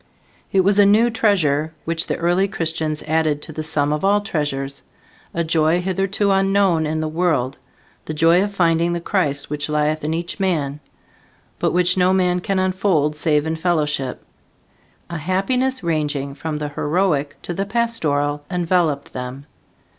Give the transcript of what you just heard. It was a new treasure which the early Christians added to the sum of all treasures, a joy hitherto unknown in the world the joy of finding the Christ which lieth in each man, but which no man can unfold save in fellowship. A happiness ranging from the heroic to the pastoral enveloped them.